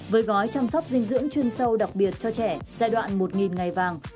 với gói chăm sóc dinh dưỡng chuyên sâu đặc biệt cho trẻ giai đoạn một ngày vàng